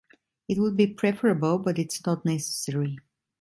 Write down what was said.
It would be preferable, but it's not necessary.